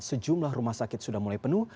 sejumlah rumah sakit sudah mulai penuh